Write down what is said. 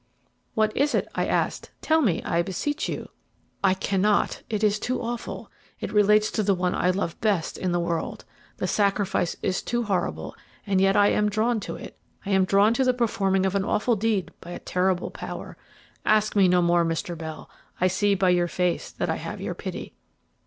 "What is it?" I asked; "tell me, I beseech you." "I cannot; it is too awful it relates to the one I love best in the world. The sacrifice is too horrible, and yet I am drawn to it I am drawn to the performing of an awful deed by a terrific power. Ask me no more, Mr. Bell; I see by your face that I have your pity."